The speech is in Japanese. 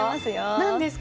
何ですか？